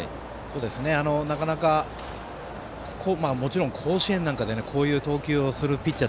なかなかもちろん甲子園なんかでこういう投球をするピッチャー